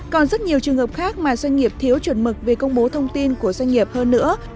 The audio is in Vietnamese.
còn rất nhiều trường hợp khác mà doanh nghiệp thiếu chuẩn mực về công bố thông tin của doanh nghiệp hơn nữa